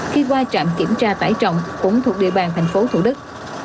khi qua trạm kiểm tra tải trọng cũng thuộc địa bàn tp thủ đức